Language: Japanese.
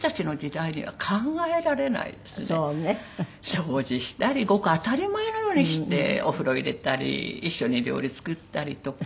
掃除したりごく当たり前のようにしてお風呂入れたり一緒に料理作ったりとか。